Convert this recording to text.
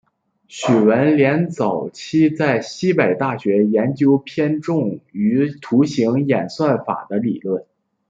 许闻廉早期在西北大学的研究偏重于图形演算法的理论。